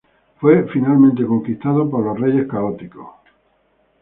Fue finalmente conquistado por los Reyes Católicos.